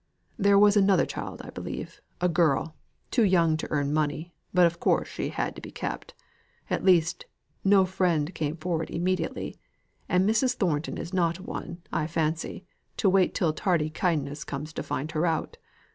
There was another child, I believe, a girl; too young to earn money, but of course she had to be kept. At least, no friend came forward immediately, and Mrs. Thornton is not one, I fancy, to wait till tardy kindness comes to find her out.